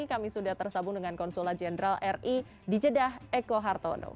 kami sudah tersabung dengan konsulat jenderal ri di jeddah eko hartono